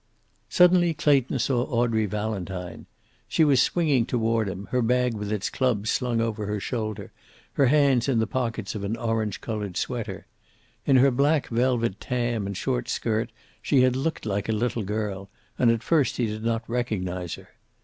Suddenly Clayton saw Audrey Valentine. She was swinging toward him, her bag with its clubs slung over her shoulder, her hands in the pockets of an orange colored sweater. In her black velvet tam and short skirt she had looked like a little girl, and at first he did not recognize her.